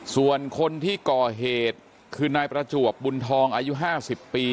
ส่วนคนที่ก่อเหตุคือนายประจวบบุญทองอายุ๕๐ปี